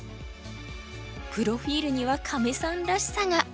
プロフィールにはカメさんらしさが。